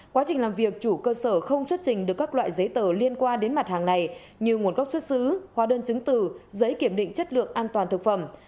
quá trình làm việc chủ cơ sở không xuất trình được các loại giấy tờ liên quan đến mặt hàng này như nguồn gốc xuất xứ hóa đơn chứng từ giấy kiểm định chất lượng an toàn thực phẩm